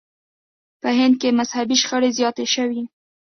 په هند کې مذهبي شخړې زیاتې شوې.